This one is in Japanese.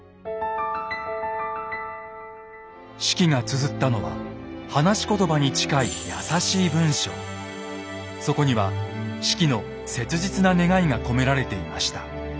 子規がつづったのは話しことばに近いそこには子規の切実な願いが込められていました。